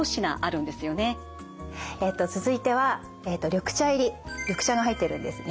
続いては緑茶入り緑茶が入ってるんですね。